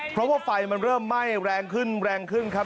เพราะว่าไฟมันเริ่มไหม้แรงขึ้นแรงขึ้นครับ